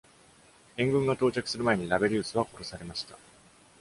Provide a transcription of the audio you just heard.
援軍が到着する前に、ラベリウスは殺されました。